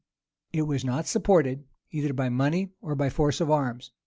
It was not supported either by money or by force of arms.